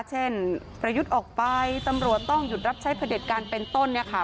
เช่นพระยุทธิ์ออกไปตำรวจต้องหยุดรับใช้ขฤติการเป็นต้นนี้ค่ะ